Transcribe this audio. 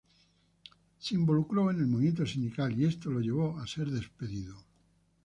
Él se involucró en el movimiento sindical y esto lo llevó a ser despedido.